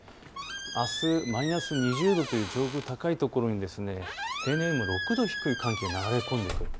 あすマイナス２０度という上空の高い所に平年よりも６度低い寒気が流れ込んでくる。